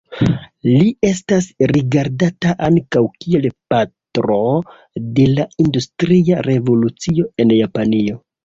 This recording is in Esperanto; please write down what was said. Li estas rigardata ankaŭ kiel patro de la industria revolucio en Japanio.